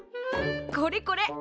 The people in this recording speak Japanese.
これこれ！